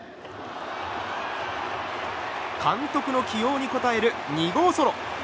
監督の起用に応える２号ソロ。